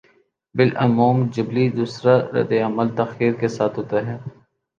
بالعموم جبلّی دوسرا رد عمل تاخیر کے ساتھ ہوتا ہے۔